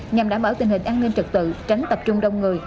nhằm đảm bảo tình hình an ninh trật tự tránh tập trung đông người